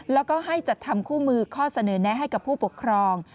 แล้วก็ให้จัดทำคู่มือข้อเสนอแนะให้กับผู้ปกครอง